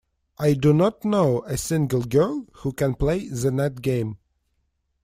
I do not know a single girl who can play the net game.